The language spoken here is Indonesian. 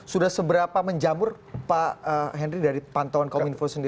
sudah seberapa menjamur pak henry dari pantauan kominfo sendiri